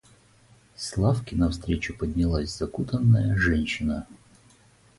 С лавки навстречу поднялась закутанная женщина.